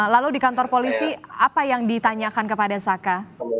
lalu di kantor polisi apa yang ditanyakan kepada saka